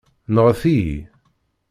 Nɣet-iyi.